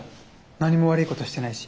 何も悪いことしてないし。